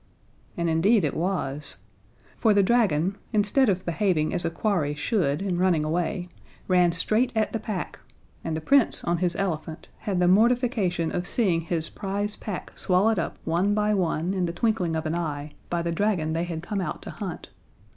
And indeed it was. For the dragon instead of behaving as a quarry should, and running away ran straight at the pack, and the Prince, on his elephant, had the mortification of seeing his prize pack swallowed up one by one in the twinkling of an eye, by the dragon they had come out to hunt.